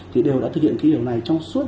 thì đều đã thực hiện cái điều này trong suốt